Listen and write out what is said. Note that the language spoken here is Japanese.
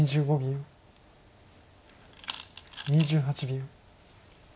２８秒。